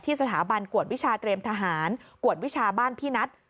สถาบันกวดวิชาเตรียมทหารกวดวิชาบ้านพี่นัท